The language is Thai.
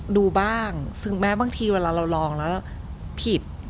ดูบ้างซึ่งแม้บางทีเวลาเราลองแล้วผิด